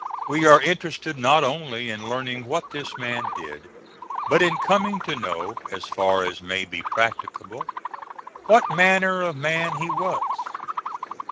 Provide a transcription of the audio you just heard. We are interested not only in learning what this man did, but in coming to know, as far as may be practicable, what manner of man he was.